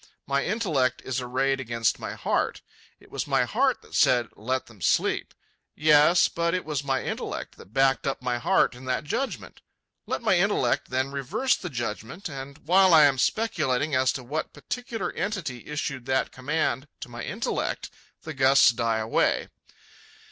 My intellect is arrayed against my heart. It was my heart that said, "Let them sleep." Yes, but it was my intellect that backed up my heart in that judgment. Let my intellect then reverse the judgment; and, while I am speculating as to what particular entity issued that command to my intellect, the gusts die away.